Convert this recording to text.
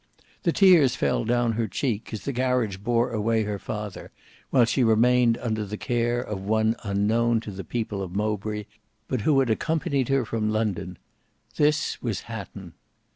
The tears fell down her cheek as the carriage bore away her father, while she remained under the care of one unknown to the people of Mowbray, but who had accompanied her from London,—this was Hatton.